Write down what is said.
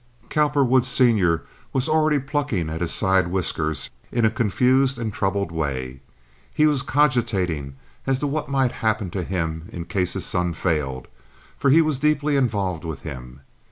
Cowperwood, Sr., was already plucking at his side whiskers in a confused and troubled way. He was cogitating as to what might happen to him in case his son failed, for he was deeply involved with him.